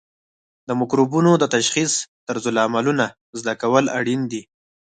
د مکروبونو د تشخیص طرزالعملونه زده کول اړین دي.